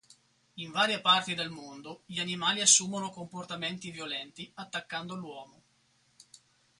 In varie parti del mondo gli animali assumono comportamenti violenti attaccando l'uomo.